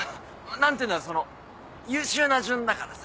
何ていうんだろうその優秀な順だからさ。